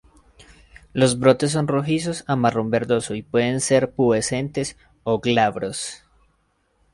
Los brotes son rojizos a marrón verdoso y pueden ser pubescentes o glabros.